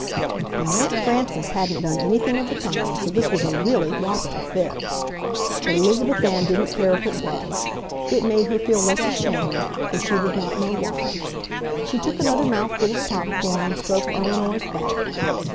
Now Aunt Frances hadn't done anything of the kind, so this was a really whopping fib. But Elizabeth Ann didn't care if it was. It made her feel less ashamed, though she did not know why. She took another mouthful of pop corn and stroked Eleanor's back.